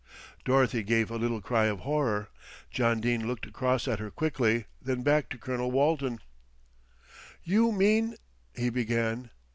Dorothy gave a little cry of horror. John Dene looked across at her quickly, then back to Colonel Walton. "You mean " he began.